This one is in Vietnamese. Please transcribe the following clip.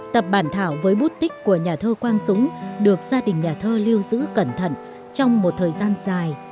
tập bản thảo với bút tích của nhà thơ quang dũng được gia đình nhà thơ lưu giữ cẩn thận trong một thời gian dài